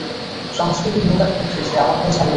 সংস্কৃতি-হীনতার ক্ষেত্রে সে আমাকেও ছাড়িয়ে যায়।